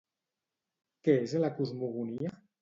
Què és la cosmogonia?